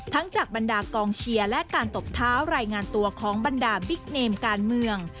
จากบรรดากองเชียร์และการตบเท้ารายงานตัวของบรรดาบิ๊กเนมการเมือง